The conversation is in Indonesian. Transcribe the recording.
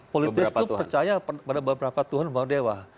politeis itu percaya pada beberapa tuhan atau dewa